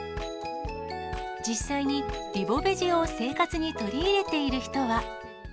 実際にリボベジを生活に取り入れている人は。